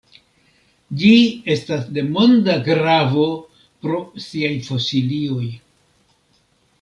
Ĝi estas de monda gravo pro siaj fosilioj.